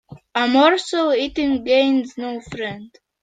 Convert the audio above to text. A morsel eaten gains no friend.